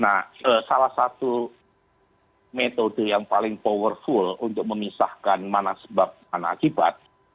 nah salah satu metode yang paling powerful untuk memisahkan mana sebab mana akibat